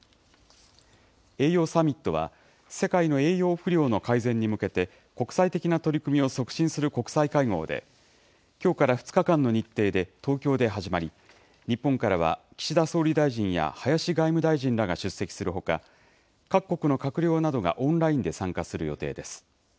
栄養サミットは、世界の栄養不良の改善に向けて、国際的な取り組みを促進する国際会合で、きょうから２日間の日程で、東京で始まり、日本からは岸田総理大臣や林外務大臣らが出席するほか、各国の閣僚などがオンラインで参加する予定です。